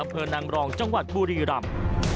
อำเภอนางรองจังหวัดบุรีรำ